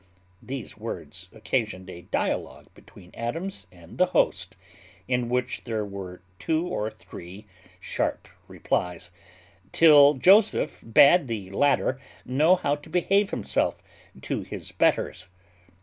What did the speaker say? These words occasioned a dialogue between Adams and the host, in which there were two or three sharp replies, till Joseph bad the latter know how to behave himself to his betters.